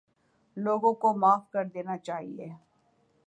لوگوں کو معاف کر دینا چاہیے